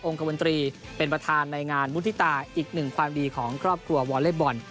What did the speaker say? คมนตรีเป็นประธานในงานมุฒิตาอีกหนึ่งความดีของครอบครัววอเล็กบอล